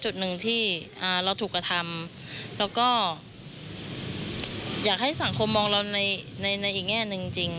จุดหนึ่งที่เราถูกกระทำแล้วก็อยากให้สังคมมองเราในในอีกแง่หนึ่งจริง